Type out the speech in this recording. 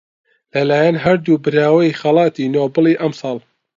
لەلایەن هەردوو براوەی خەڵاتی نۆبڵی ئەمساڵ